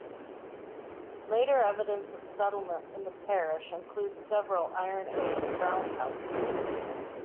Later evidence of settlement in the parish includes several Iron Age roundhouses.